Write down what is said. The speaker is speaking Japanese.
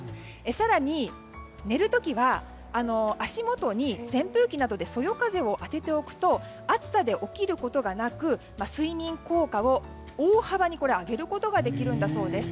更に、寝る時は足元に扇風機などでそよ風を当てておくと暑さで起きることがなく睡眠効果を大幅に上げることができるんだそうです。